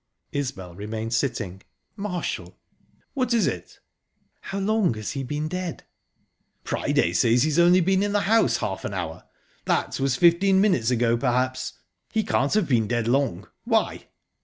Isbel remained sitting. "Marshall!..." "What is it?" "How long has he been dead?" "Priday says he's only been in the house half an hour. That was fifteen minutes ago, perhaps. He can't have been dead long. Why?"